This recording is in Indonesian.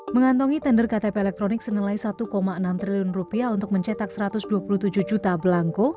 mengantongi tender ktp elektronik senilai rp satu enam triliun untuk mencetak satu ratus dua puluh tujuh juta belangko